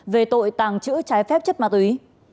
về tội tàng trữ trái phép chất ma túy